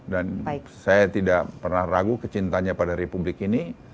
dan saya tidak pernah ragu kecintanya pada republik ini